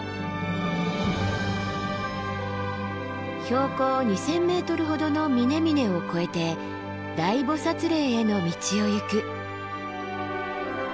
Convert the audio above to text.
標高２，０００ｍほどの峰々を越えて大菩嶺への道を行く。